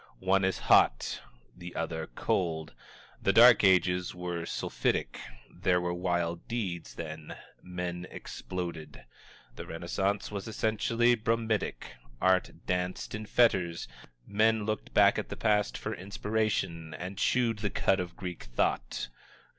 One is hot, the other cold. The Dark Ages were sulphitic there were wild deeds then; men exploded. The Renaissance was essentially bromidic; Art danced in fetters, men looked back at the Past for inspiration and chewed the cud of Greek thought.